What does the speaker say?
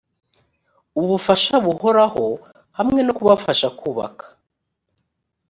ubufasha buhoraho hamwe no kubafasha kubaka